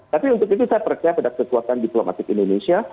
tapi untuk itu saya percaya pada kekuatan diplomatik indonesia